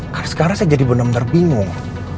karena sekarang saya jadi bener bener bingung